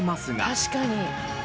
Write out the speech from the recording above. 確かに。